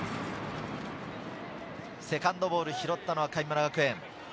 セカンドボール、拾ったのは神村学園。